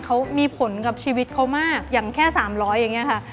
เขามีผลกับชีวิตเขามากอย่างแค่๓๐๐อย่างนี้ค่ะ